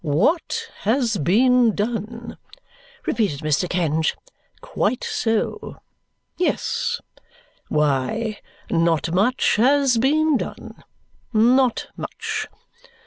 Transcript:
"What has been done," repeated Mr. Kenge. "Quite so. Yes. Why, not much has been done; not much.